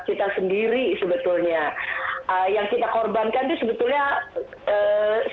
kita sendiri sebenarnya yang kita korbankan itu sebetulnya sedikit gitu kalau dibandingkan dengan apa yang kita